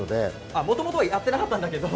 あ、もともとはやってなかったんだけど？